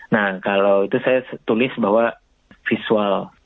nah kalau itu saya tulis bahwa visual